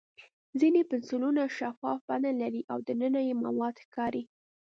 ځینې پنسلونه شفاف بڼه لري او دننه یې مواد ښکاري.